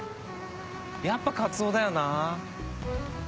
やっぱカツオだよな。